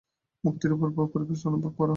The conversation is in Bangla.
মুক্তির অপূর্ব পরিবেশ অনুভব কর।